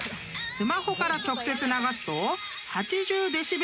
［スマホから直接流すと］